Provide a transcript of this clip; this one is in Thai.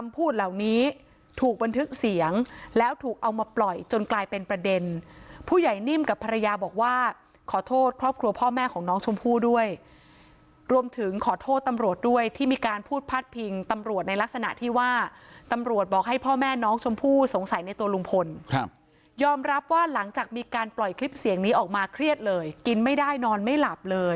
พูดเหล่านี้ถูกบันทึกเสียงแล้วถูกเอามาปล่อยจนกลายเป็นประเด็นผู้ใหญ่นิ่มกับภรรยาบอกว่าขอโทษครอบครัวพ่อแม่ของน้องชมพู่ด้วยรวมถึงขอโทษตำรวจด้วยที่มีการพูดพาดพิงตำรวจในลักษณะที่ว่าตำรวจบอกให้พ่อแม่น้องชมพู่สงสัยในตัวลุงพลครับยอมรับว่าหลังจากมีการปล่อยคลิปเสียงนี้ออกมาเครียดเลยกินไม่ได้นอนไม่หลับเลย